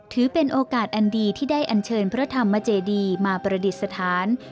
ถือเป็นโอกาสอันดีที่ได้อันเชิญพระธรรมเจดีมาประดิษฐาน